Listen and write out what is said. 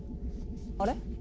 あれ？